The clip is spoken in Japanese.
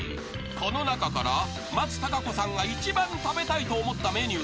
［この中から松たか子さんが一番食べたいと思ったメニューを選び